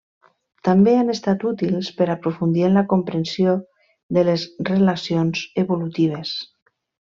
També han estat útils per aprofundir en la comprensió de les relacions evolutives.